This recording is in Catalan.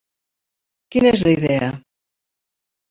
Quina és la idea?